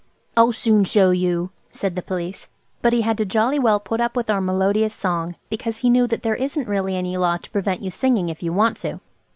"I'll soon show you!" said the Police. But he had to jolly well put up with our melodious song because he knew that there isn't really any law to prevent you singing if you want to.